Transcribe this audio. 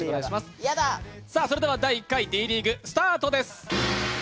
それでは第１回Ｄリーグスタートです。